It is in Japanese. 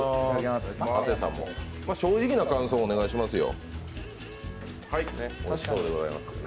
正直な感想、お願いしますよ。